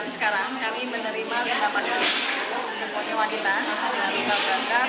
sekarang kami menerima penampasan sepuluh wanita yang alami luka bakar